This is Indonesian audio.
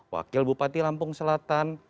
wakil bupati lampung selatan